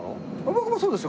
僕もそうですよ